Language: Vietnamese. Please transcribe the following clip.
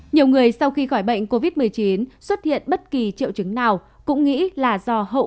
nhiều người sau khi khỏi bệnh covid một mươi chín xuất hiện bất kỳ triệu chứng nào cũng nghĩ là do hậu